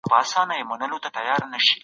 يونليکونه تر وچو کيسو ګټور دي.